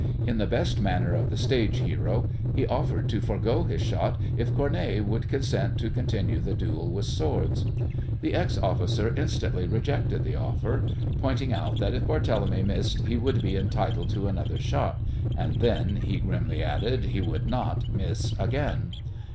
In the best manner of the stage hero he offered to forego his shot if Cournet would consent to continue the duel with swords. The ex officer instantly rejected the offer, pointing out that if Barthélemy missed he would be entitled to another shot, and then, he grimly added, he would not miss again.